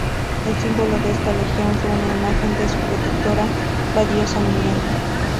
El símbolo de esta legión fue una imagen de su protectora, la diosa Minerva.